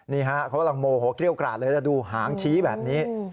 นี่ฮะเขากำลังโมโหเกรี้ยวกราดเลยแล้วดูหางชี้แบบนี้